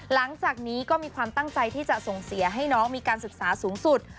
หลังจากนี้ก็มีความตั้งใจที่จะส่งเสียให้น้องมีการศึกษาสูงสุด